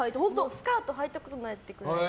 スカートはいたことないってくらい。